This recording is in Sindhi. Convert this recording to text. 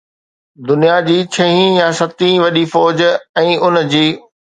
دنيا جي ڇهين يا ستين وڏي فوج ۽ ان جي